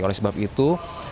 oleh sebab itu